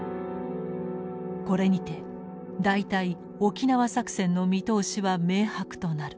これにて大体沖縄作戦の見通しは明白となる。